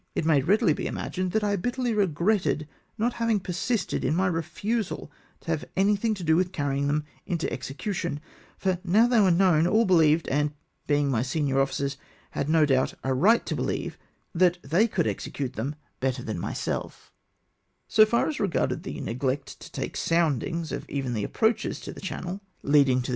It may readily be imagined that I bitterly regretted not having persisted in my refusal to have anything to do with carrying them into execution, for now they were known, all beheved, — and, being my senior officers, had no doubt a right to beheve — that they could execute them better than myself So far as regarded the neglect to take soundings of even the approaches to the channel leading to the A a4 3G0 INACCURATE SOUNDINGS.